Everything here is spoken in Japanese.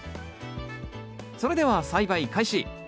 それでは栽培開始。